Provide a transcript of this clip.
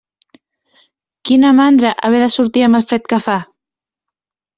Quina mandra, haver de sortir amb el fred que fa.